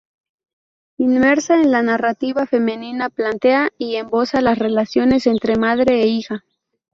Inmersa en la narrativa femenina, plantea y esboza las relaciones entre madre e hija.